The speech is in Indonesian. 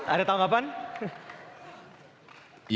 ada tanggapan lain